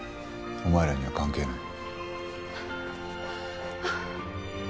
お前らには関係ない。